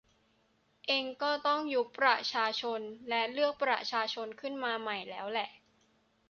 เอ็งก็คงต้องยุบประชาชนและเลือกประชาชนขึ้นมาใหม่แล้วแหละ